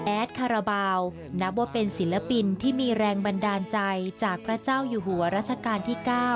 คาราบาลนับว่าเป็นศิลปินที่มีแรงบันดาลใจจากพระเจ้าอยู่หัวรัชกาลที่๙